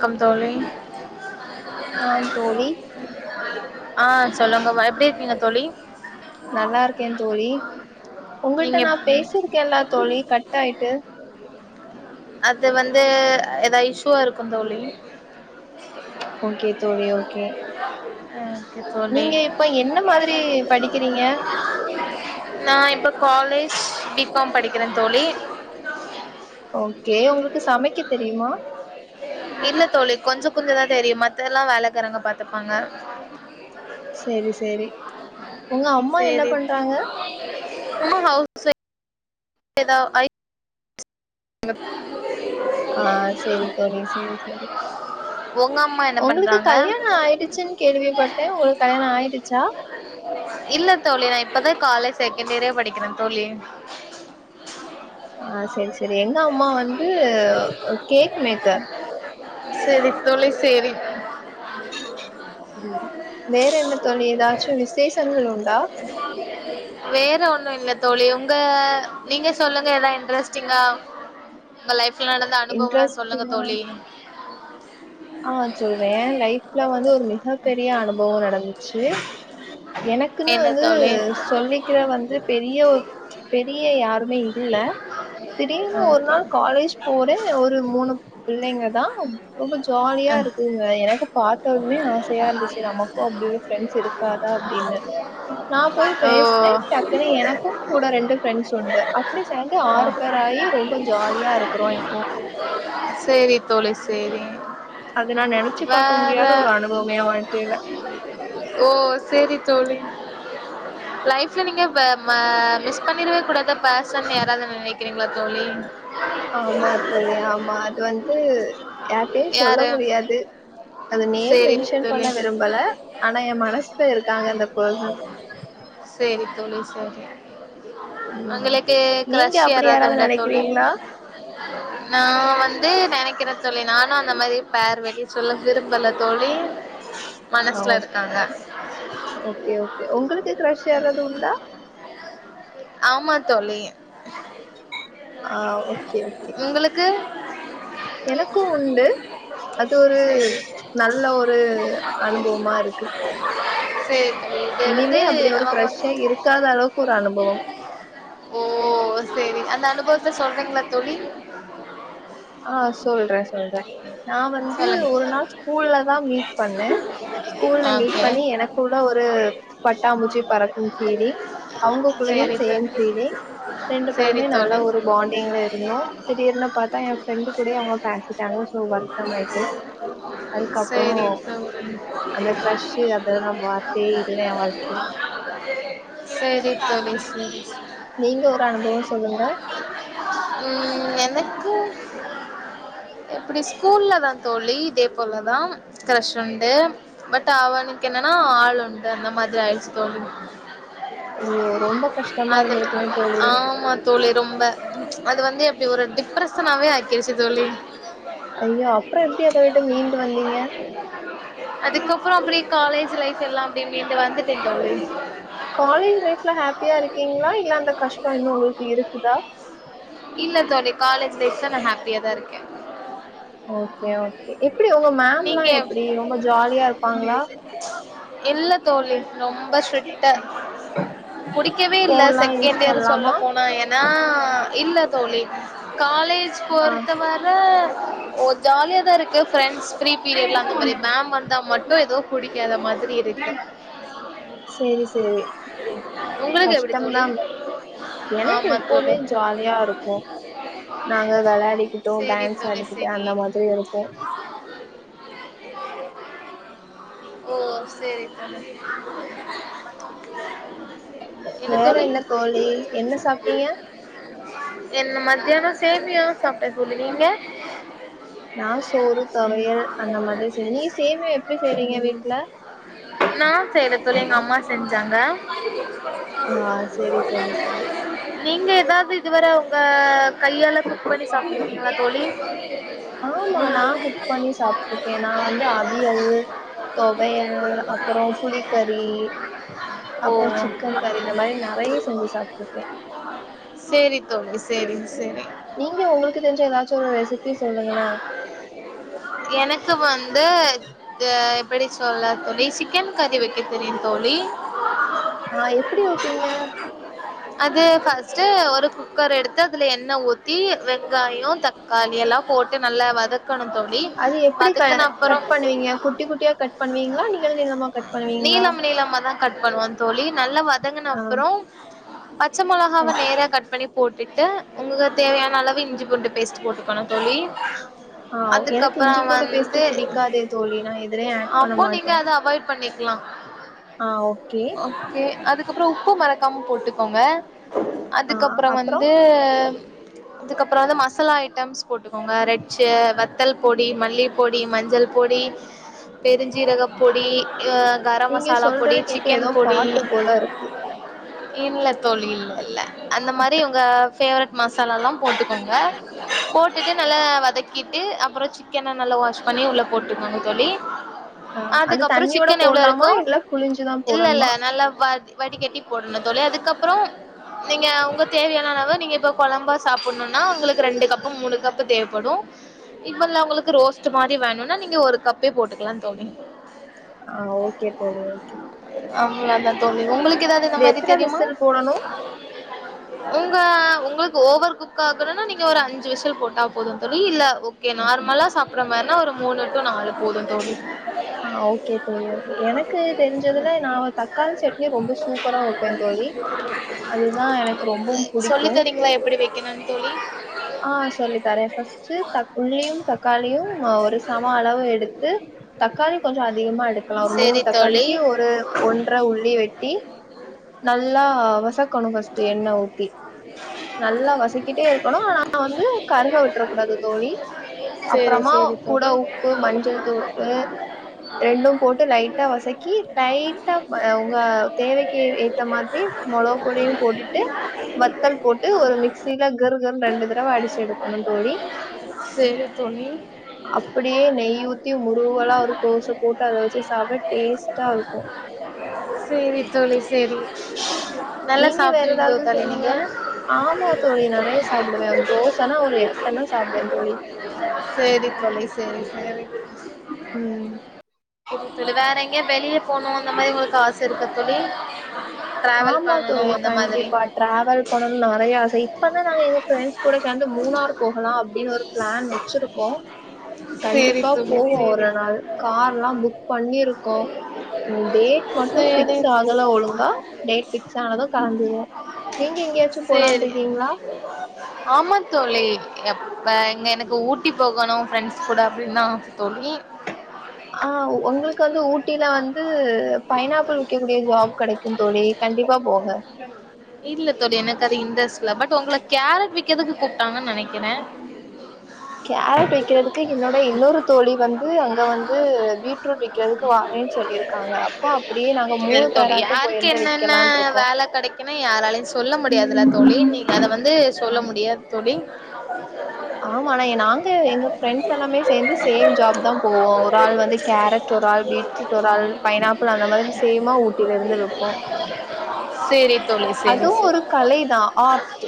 Come தோழி ஆ தோழி ஆ சொல்லுங்க வா எப்டி இருக்கீங்க தோழி நல்லா இருக்கே தோழி நீங்க உங்கள்ட்ட நா எப்- பேசிர்க்கேல்லா தோழி கட் ஆய்ட்டு அது வந்து எதா இஷ்யூவா இருக்கும் தோழி ஓகே தோழி ஓகே அ ஓகே தோழி நீங்க இப்ப என்ன மாதிரி படிக்கிறீங்க நா இப்ப காலேஜ் பிகாம் படிக்கிற தோழி ஓகே உங்களுக்கு சமைக்க தெரியுமா இல்ல தோழி கொஞ்சொ கொஞ்சதா தெரியு மத்தெல்லா வேலைக்காரங்க பாத்துப்பாங்க சேரி சேரி உங்க அம்மா என்ன பண்றாங்க உம்மா ஹவுஸ் வொய்ஃப் தா அய் உங்க ஆ சேரி தோழி சேரி தோழி [inaudible] ஒங்கம்மா ஒங்களுக்கு கல்யாண ஆயிடுச்சுன் கேள்விப்பட்டே ஒங்களுக்கு கல்யாண ஆயிடுச்சா இல்ல தோழி நா இப்பதா காலேஜ் செகண்ட் இயரே படிக்கிறே தோழி ஆசரி சேரி சேரி எங்க அம்மா வந்து கேக் மேக்கர் செரி தோழி சேரி ம் வேற என்னத்தோழி ஏதாச்சு விசேஷங்கள் உண்டா வேற ஒண்ணு இல்ல தோழி உங்க நீங்க சொல்லுங்க ஏதா இன்ட்ரெஸ்ட்டிங்கா உங்க லைஃப்ல நடந்த அனுபவங்கலா சொல்லுங்க இன்ட்ரெஸ்டிங் தோழி ஆ சொல்றே லைஃப்ல வந்து ஒரு மிக பெரிய அனுபவ நடந்துச்சு எனக்குன்னு என்ன வந்து தோழி சொல்லி கிற வந்து பெரிய ஒ பெரிய யாருமே இல்ல திடீர்னு ஒரு ஓகே நாள் காலேஜ் போறே ஒரு மூணு பிள்ளைங்க தா ரொம்ப ஜாலியா அ இருக்குங்க எனக்கு பார்த்ததுமே ஆசையா இருந்துச்சு நமக்கு அப்படி ஒரு ஃப்ரெண்ட்ஸ் இருக்காதா அப்படின்னு நா போய் ஓ பேசுனே டக்குனு எனக்கு கூட ரெண்டு ஃரெண்ட்ஸ் உண்டு அ அப்படி சேந்து ஓ ஆறு பேர் ஆயி ரொம்ப ஜாலியா இருக்குறோ இப்போ சேரி தோழி சேரி அது நா நெனைச்சு பாக்க வேற முடியாத ஒரு அனுபவமே வாழ்க்கேல ஓ சேரி தோழி லைஃப்ல நீங்க வ ம மிஸ் பண்ணிறவே கூடாத பேசன் யாராவது நினைக்கிறீங்களா தோழி ஆமா தோழி யா ஆமா அது வந்து யார்ட்டயும் சொல்ல யாரு முடியாது அது நேம் சேரி மென்ஷன் பண்ண தோழி விரும்பல ஆனா எ மனசுல இருக்காங்க அந்த பேசன் சேரி தோழி சேரி ம் ஒங்களுக்கு நீங்க க்ரஷ் அப்டி யாராது யாராவது உண்டா தோழி நெனைக்கிறீங்களா நா வந்து நினைக்கிற தோழி நானு அந்த மாரி பேர் வெளிய சொல்ல விரும்பல தோழி ஆ ஒ மனசுல இருக்காங்க ஓகே ஓகே உங்களுக்கு கிரஷ் யாராது உண்டா ஆமா தோழி ஆ ஓகே ஓகே உங்களுக்கு எனக்கும் உண்டு அது ஒரு சேரி நல்ல ஒரு அனுபவமா இருக்கு சேரி தோழி சேரி மே அப்டி ஒரு கிரஷ்சே இருக்காத அளவுக்கு ஒரு அனுபவம் ஓ சரி அந்த அனுபவத்துல சொல்றீங்களா தோழி ஆ சொல்றே சொல்றே நா வந்து சொல்லுங்க ஒரு நாள் ஸ்கூல்ல தா மீட் பண்ணே ஸ்கூல்ல மீட் ஓகே பண்ணி எனக்குள்ள ஒரு பட்டாமுச்சி பறக்கும் பீலிங் அவங்க குள்ளயும் சேரி சேம் தோழி பீலிங் ரெண்டு சேரி பேருமே நல்ல தோழி ஒரு பாண்டிங்ல இருந்தோ திடீர்னு பாத்தா ஏ ஃப்ரெண்டு கூடயு அவங்க பேசிட்டாங்க ஸோ வருத்தம் ஆயிட்டுட்டு அதுக்கப்றோ ஆமா கண்டிப்பா அந்த க்ரஷ்சு அதெல்லா நா பாத்தே இல்ல ஏ வாழ்க்கையில ஓ சரி நீங்க ஒரு அனுபவம் சொல்லுங்க ம் எனக்கு எப்டி ஸ்கூல்ல தா தோழி இதே போலதா கிரஷ் உண்டு பட் அவனுக்கு என்னன்னா ஆள் உண்டு அந்த மாதிரி ஆயிடுச்சு தோழி ஐயோ ரொம்ப கஷ்டமா அது இருந்திருக்குமே தோழி ஆமா தோழி ரொம்ப அது வந்து எப்டி ஒரு டிப்ரஷனாவே ஆக்கிருச்சு தோழி ஐயோ அப்றோ எப்டி அத விட்டு மீன்டு வந்தீங்க அதுக்கப்றோ அப்டியே காலேஜ் லைஃப் எல்லாம் அப்டியே மீன்டு வந்துட்டே தோழி காலேஜ் லைஃப்ல ஹாப்பியா இருக்கீங்களா இல்ல அந்த கஷ்டோ இன்னும் உங்களுக்கு இருக்குதா இல்ல தோழி காலேஜ் லைப்ல நா ஹாப்பியாதா இருக்கே ஓகே ஓகே எப்டி உங்க மேம்ல்லா நீங்க எப்டி ரொம்ப ஜாலியா இருப்பாங்களா இல்ல தோழி ரொம்ப ஸ்ட்ரிக்ட்டு புடிக்கவே இல்ல போன்லா யூஸ் செகண்ட் இயர் சொல்ல பண்லாமா போனா என ன்னா இல்ல தோழி காலேஜ் ஆ பொறுத்த வர ஜாலிய தா இருக்கு ஃப்ரெண்ட்ஸ் பிரீ பீரியட்ல அந்த மாரி மேம் வந்தா மட்டும் ஏதோ பிடிக்காத மாதிரி இருக்கு சரி சரி உங்களுக்கு எப்டி தோழி கஷ்டம்தான் எனக்கு ஆமா எப்பவுமே தோழி ஜாலியா இருக்கும் நாங்க வெளாடிக்கிட்டும் சேரி டான்ஸ் தோழி ஆடிக்கிட்டு சரி அந்த மாரி இருக்கும் ஓ செரி தோழி வேற என்ன தோழி என்ன சாப்பிட்டீங்க என்ன மத்தியானோ சேமியா சாப்ட்டே தோழி நீங்க நா சோறு தொவையல் அந்த மாதிரி செய்ன் நீங்க சேமியா எப்டி செய்றீங்க வீட்டுல நா செய்ல தோழி எங்க அம்மா செஞ்சாங்க ஆ செரி தோழி நீங்க ஏதாவது இதுவர உங்க கையால குக் பண்ணி செரி சாப்ட்ருக்கீங்களா தோழி ஆமா நா குக் பண்ணி சாப்ட்டுருக்கே நா வந்து அவியல் தொவையல் அப்பறோ புளிக்கறி ஓ அப்புறோ சிக்கன் கறி இந்த மாரி நெறைய செஞ்சு சாப்ட்டுருக்கே செரி தோழி செரி செரி நீங்க உங்ளுக்கு தெரிஞ்ச ஏதாச்சு ஒரு ரெசிபி சொல்லுங்களே எனக்கு வந்து அ எப்படி சொல்ல தோழி சிக்கன் கறி வெக்க தெரியு தோழி ஆ எப்பிடி வெப்பீங்க அது ஃபர்ஸ்ட்டு ஒரு குக்கர் எடுத்து அதுல எண்ணெ ஊத்தி வெங்காயோ தக் காளி எல்லா போட்டு நல்லா வதக் கனு தோழி அது எப்பிடி க வதக்குன கட் அப்புறம் பண்ணுவீங்க குட்டி குட்டியா கட் பண்ணுவீங்ளா நீள நீளமா கட் பண்ணுவீங்ளா நீளம் நீளமா தான் கட் பண்ணுவா தோழி நல்லா வதங்கு ஆ அப்பறோ பச்சை மொளகாவ நேரா கட் பண்ணி போட்டுட்டு உங்குக்கு தேவையான அளவு இஞ்சி பூண்டு பேஸ்ட் போட்டுக்கணு தோழி ஆ எனக்கு இஞ்சி அதுக்கப்புறம் பூட்டு பேஸ்ட்டு வந்து புடிக்காதே தோழி நா எதலயு ஆட் பண்ண அப்போ மாட் நீங்க அத அவாய்ட் பண்ணிக்லா ஆ ஓகே ஓகே அதுக்கப்றோ உப்பு மறக்காம போட்டுக்கோங்க ஆ அதுக்கப்பறோ அப்புறோ வந்து அதுக்கப்பறோ வந்து மசாலா ஐட்டம்ஸ் போட்டுக்கோங்க ரெட்ச்சு வத்தல் பொடி மல்லி பொடி மஞ்சள் பொடி பெருஞ்சீரக பொடி ஹ கரம் நீங்க மசாலா பொடி சொல்றது கேக்க சிக்கன் ஏதோ பொடி பாட்டு போல இருக்கு இல்ல தோழி இல்ல இல்ல அந்த மாரி உங்க பேவரட் மசாலால்லா போட்டுக்கோங்க போட்டுட்டு நல்லா வதக்கிட்டு அப்புறோ சிக்கன நல்லா வாஷ் பண்ணி உள்ள போட்டுக்கோங்க தோழி ஆ அது அதுக்கப்றோ தண்ணியோட சிக்கன் எவ்வளோ போடலாமா இருக்கோ இல்ல புழிஞ்சுதா இல்ல இல்ல போடணுமா நல்லா பாதி வடி கட்டி போட்ணு தொழி அதுக்கப்றோ நீங்க உங்க தேவையான அளவு நீங்க இப்ப குழம்பா சாப்பட்ணுன்னா உங்களுக்கு ரெண்டு கப்பு மூணு கப்பு தேவைப்படு இப்ப இல்ல உங்களுக்கு ரோஸ்ட் மாரி வேணுனா நீங்க ஒரு கப்பே போட்டுக்கலா தோழி ஆ ஓகே தோழி ஓகே அவ்ளதா தோழி உங்ளுக்கு ஏதாவது இந்த இது மாரி எத்தன தெரியுமா விசில் போடணு உங்க உங்களுக்கு ஓவர் குக் ஆக்கணுனா நீங்க ஒரு அஞ்சு விஷல் போட்டா போது தோழி இல்ல உ ஓகே நார்மலா சாப்பட்ற மாரினா ஒரு மூணு டு நாலு போதும் தோழி ஆ ஓகே தோழி ஓகே எனக்கு தெரிஞ்சதுல நா தக்காளி சட்னி ரொம்ப சூப்பரா வப்பே தோழி அதுதா எனக்கு ரொம்பவு புடிக் சொல்லி தரீங்களா எப்பிடி வெக்கணுன்னு தோழி ஆ சொல்லி தரே ஃபர்ஸ்ட்டு உள்ளியும் தக்காளியும் ஒரு சம அளவு எடுத்து தக்காளி கொஞ்சோ அதிகமா எடுக்கலா ஒரு மூணு சேரி தோழி தக்காளிக்கு ஒரு ஒன்ற உள்ளி வெட்டி நல்லா வசக்கணு ஃபர்ஸ்ட்டு எண்ணெ ஊத்தி நல்லா வசக்கிட்டே இருக்கணு ஆனா வந்து கருக விட்டரக் கூடாது தோழி சேரி அப்புறமா சேரி கூட தோழி உப்பு மஞ்சள் தூளு ரெண்டும் போட்டு லைட்டா வசக்கி லைட்டா உங்க தேவைக் கு ஏத்த மாதிரி மொளகு பொடியும் போட்டுட்டு வத்தல் போட்டு ஒரு மிக்சில கிர் கிர் ரெண்டு தடவ அடிச்ச எடுக்கணு தோழி சேரி தோழி அப்படியே நெய் ஊத்தி முருவலா ஒரு தோச போட்டு அதை வெச்சு சாப்பிடா டேஸ்ட்டா இருக்கு சேரி தோழி சேரி நல்லா நீங்க வேற சாப்டுவீங்களோ ஏதாவது தோழி சொல்லுங்க நீங்க ஆமா தோழி நறைய சாப்பிடுவேன் தோசனா ஒரு எட்டனா சாப்பிடுவேன் தோழி சேரி தோழி சேரி சேரி ம் வேற எங்கயா வெளிய போனு அந்த மாதிரி உங்களுக்கு ஆசை இருக்க தோழி டிராவல் ஆமா பண்ணணு தோழி அந்த மாதிரி கண்டிப்பா டிராவல் பண்ணுனு நறைய ஆசை இப்பதா நாங்க எங்க ஃப்ரெண்ட்ஸ் கூட சேர்ந்து மூணார் போகலாம் அப்படின்னு ஒரு பிளான் வெச்சிருக்கோ சேரி கண்டிப்பா தோழி போவோ சேரி ஒரு நாள் கார்ல்லா புக் பண்ணிருக்கோ ம் டேட் மட்டு ஃபிக்ஸ் சேரி ஆகல ஒழுங்கா டேட் ஃபிக்ஸ் ஆனது கெளம்பிர்வோ நீங்க எங்கயாச்சும் போலான்னு சேரி இருக்கீங்களா ஆமா தோழி எப்ப எங்க எனக்கு ஊட்டி போகணு ஃப்ரெண்ட்ஸ் கூட அப்படின்னுதா ஆசை தோழி ஆ உங்களுக்கு வந்து ஊட்டில வந்து பைனாப்பிள் விக்கக்கூடிய ஜாப் கிடைக்கும் தோழி கண்டிப்பா போங்க இல்ல தோழி எனக்கு அது இன்ட்ரெஸ்ட் இல்ல பட் உங்களை கேரட் விக்கதுக்கு கூப்ட்டாங்கன்னு நினைக்கிறே கேரட் விக்கிறதுக்கு என்னோட இன்னொரு தோழி வந்து அங்க வந்து பீட் ரூட் விக்கிறதுக்கு வாரேன்னு சொல்லிருக்காங்க அப்போ அப்படியே நாங்க இல்ல மூணு தோழி பேராட்டு போயிருந்து விக்கலான்னு இருக்கோ ஏன்னா யாராலையு சொல்ல முடியாதுல தோழி நீங்க அதை வந்து சொல்ல முடியாது தோழி ஆமானா நாங்க எங்க ஃப்ரெண்ட்ஸ் எல்லாமே சேர்ந்து சேம் ஜாப் தா போவோ ஒரு ஆள் வந்து கேரட் ஒரு ஆள் பீட் ரூட் ஒரு ஆள் பைனாப்பிள் அந்த மாரி சேமா ஊட்டில இருந்து விப்போ சேரி தோழி சேரி அதுவு ஒரு சேரி கலைதா ஆர்ட்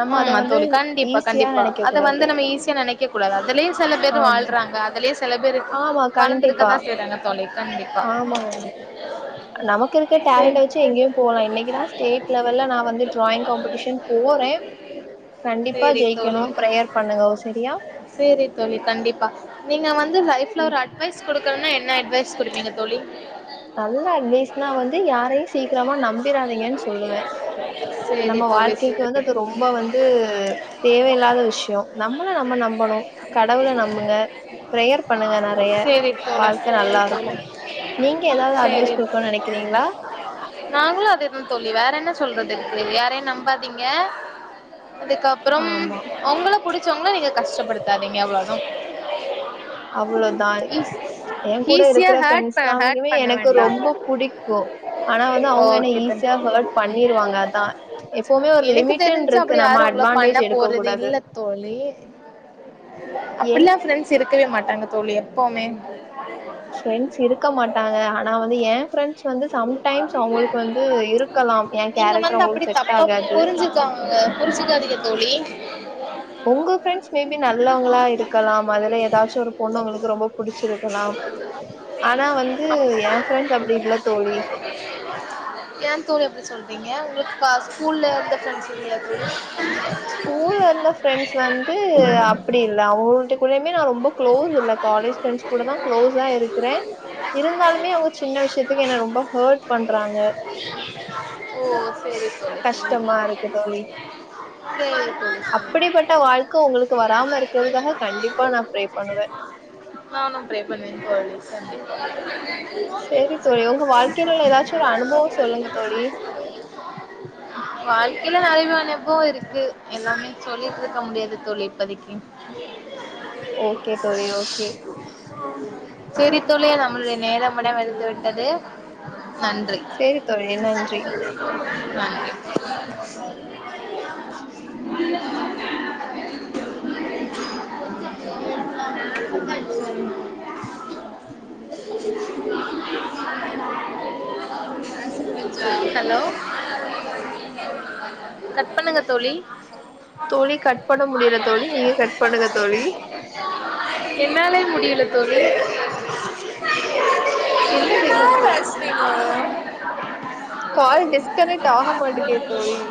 நம்ம அத ம்மா வந்து தோழி கண்டிப்பா ஈஸியா கண்டிப்பா நெனைக்க அதை கூடாது வந்து நம்ம ஈஸியா நினைக்க கூடாது அதிலேயு சில பேர் ஆமா வாழ்றாங்க அதுலயே சில பேரு ஆமா கண்டிப்பா வளந்துருக்கதா செய்றாங்க தோழி கண்டிப்பா ஆமா கண்டிப்பா நமக்கு இருக்க டேலண்ட் சேரி வச்சு எங்கயும் போலா இன்னைக்கு தா ஸ்டேட் லெவல்ல நா வந்து டிராயிங் காம்படிஷன் போறேன் கண்டிப்பா சேரி ஜெயிக்கணு பிரேயர் பண்ணுங்கோ சரியா செரி தோழி கண்டிப்பா நீங்க வந்து லைஃப்ல ம். ஒரு அட்வைஸ் குடுக்கனுனா என்ன அட்வைஸ் குடுப்பீங்க தோழி நல்ல அட்வைஸ்னா வந்து யாரையு சீக்கிரமா நம்பிராதீங்கன்னு சொல்லுவே சேரி நம்ம தோழி சே வாழ்க்கைக்கு வந்து அது ரொம்ப வந்து தேவையில்லாத விஷயோ நம்மள நம்ம நம்பணு கடவுளை நம்புங்க பிரேயர் பண்ணுங்க நறைய சேரி தோழி வாழ்க்கை சேரி நல்லா இருக்கு தோழி எனக்கு எதாவது சேரி அட்வைஸ் குடுக்கனும்னு நினைக்கிறீங்களா நாங்களு அதே தான் தோழி வேற என்ன சொல்றது இருக்கு யாரையு நம்ப பாதீங்க அதுக்கப்புறம் ஆமா உங்கள புடிச்சவங்கள நீங்க கஷ்டப்படுத்தாதீங்க அவ்ளோதா அவ்ளோதா ஈஸ் என் கூட ஈஸியா இருக்குற ஹேர்ட் ஃப்ரெண்ட்ஸ் ப ஹேர்ட் எல்லாருமே பண்ண எனக்கு வேண்டா ரொம்ப புடிக்கு ஆனா வந்து அவங்க என்ன ஓகே தோழி ஈஸியா ஹெர்ட் பண்ணிருவாங்க அதா எப்பவுமே ஒரு எனக்கு லிமிட்டுன்னு தெரிஞ்சு இருக்கு அப்டி நம்ம யாரு உங்கள பண்ண அட்வான்டேஜ் எடுக்க கூடாது அப்பிட்லா என்ன ஃப்ரெண்ட்ஸ் இருக்கவே மாட்டாங்க தோழி எப்போமே ஃப்ரெண்ட்ஸ் இருக்க மாட்டாங்கதா ஆனா வந்து என் ஃப்ரெண்ட்ஸ் வந்து சம்டைம்ஸ் அவங்களுக்கு வந்து இரு க்கலாம் என் கேரக்டர் அவங்களுக்கு செட் ஆகாது புரிஞ்சுக்கங்க புரிச்சுக்காதிங்க தோழி உங்க ஃப்ரெண்ட்ஸ் மே பி நல்லவங்களா இருக்கலாம் அதுல எதாச்சும் ஒரு பொண்ணு உங்களுக்கு ரொம்ப புடிச்சிருக்கலாம் ஆனா வந்து எ ஃப்ரெண்ட்ஸ் அப்டி இல்ல தோழி ஏ தோழி அப்டி சொல்றீங்க உங்களுக்கு காசு ஸ்கூல்ல வந்து ஃப்ரெண்ட்ஸ் கெடயாது ஸ்கூல்ல இருந்த ஃப்ரெண்ட்ஸ் வந்து அப்டி இல்ல அவங்கள்ட கூடயுமே நா ரொம்ப க்ளோஸ் இல்ல காலேஜ் ஃப்ரெண்ட்ஸ் கூட தா க்ளோஸா இருக்குறே இருந்தாலுமே அவங்க சின்ன விஷயத்துக்கு என்ன ரொம்ப ஹெர்ட் பண்றாங்க ஓ செரி செரி செரி கஷ்டமா இருக்கு தோழி. அது அப்படிப்பட்ட வாழ்க்க உங்களுக்கு வராம இருக்கிறதுக்காக கண்டிப்பா நா ப்ரே பண்ணுவே நானு ப்ரே பண்ணிடு போய்டுங்சார் செரி தோழி உங்க வாழ்க்கையில உள்ள ஏதாச்சு ஒரு அனுபவோ சொல்லுங்க தோழி வாழ்க்கையில நிறயலா அனுபவோ இருக்கு எல்லாமே சொல்லிட்டு இருக்க முடியாது தோழி இப்போதிக்கி ஓகே தோழி ஓகே செரி தோழி நம்மளுடைய நேரம் முடிவடைந்துவிட்டது நன்றி சரி தோழி நன்றி. [inaudible] ஹலோ கட் பண்ணுங்க தோழி தோழி கட் பண்ண முடியல தோழி நீங்க கட் பண்ணுங்க தோழி என்னாலே முடியல தோழி என்ன செய்வது தோழி தோழ் கால் டிஸ்கனக்ட் ஆகமாட்டிகே தோழி